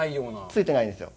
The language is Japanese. ついてないです。